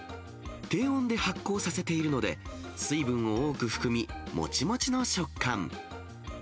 低温で発酵させているので、水分を多く含み、もちもちの食感。